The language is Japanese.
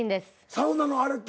サウナのあれって。